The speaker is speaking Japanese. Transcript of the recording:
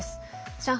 上海